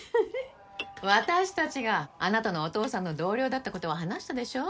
私たちがあなたのお父さんの同僚だってことは話したでしょ。